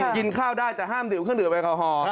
กินข้าวได้แต่ห้ามดื่มเครื่องดื่แอลกอฮอล์